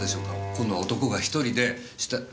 今度は男が１人で死体。